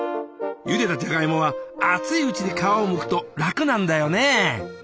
ゆでたじゃがいもは熱いうちに皮をむくと楽なんだよね。